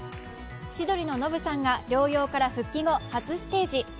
千鳥のノブさんが療養から復帰後、初ステージ。